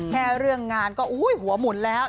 เรื่องงานก็หัวหมุนแล้ว